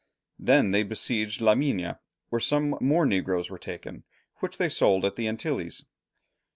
Then they besieged La Mina, where some more negroes were taken, which they sold at the Antilles.